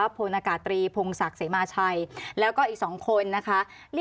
พลอากาศตรีพงศักดิ์เสมาชัยแล้วก็อีก๒คนนะคะ